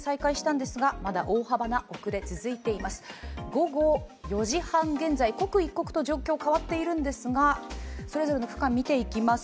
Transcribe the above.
午後４時半現在、刻一刻と状況は変わっているんですが、それぞれの区間を見ていきます。